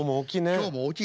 今日も大きいね。